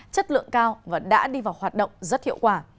chất lượng cao và đã đi vào hoạt động rất hiệu quả